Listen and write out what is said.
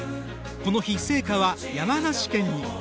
この日、聖火は山梨県に。